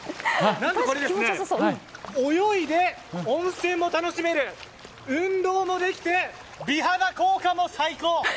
何とこれ、泳いで温泉も楽しめる運動もできて美肌効果も最高。